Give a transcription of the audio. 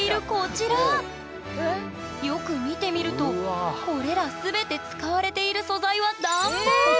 よく見てみるとこれら全て使われている素材はエグ！